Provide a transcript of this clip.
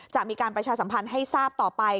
จะมีการประชาสัมพันธ์ให้ทราบต่อไป